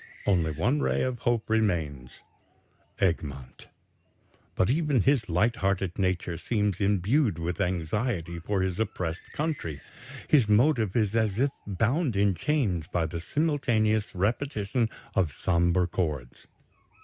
Only one ray of hope remains Egmont. But even his light hearted nature seems imbued with anxiety for his oppressed country. His motive is as if bound in chains by the simultaneous repetition of sombre chords.